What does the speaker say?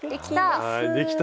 できた！